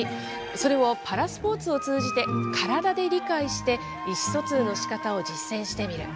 それをパラスポーツを通じて、体で理解して、意思疎通のしかたを実践してみる。